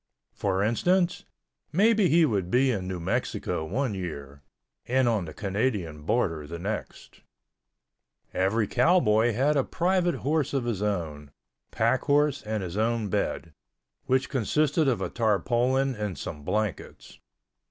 For instance, maybe he would be in New Mexico one year and on the Canadian border the next. Every cowboy had a private horse of his own, pack horse and his own bed, which consisted of a tarpaulin and some blankets.